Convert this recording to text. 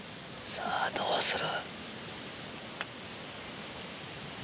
さぁどうする？